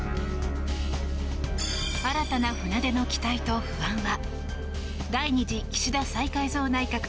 新たな船出の期待と不安は。